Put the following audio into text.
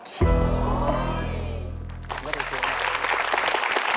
ผิดนะครับ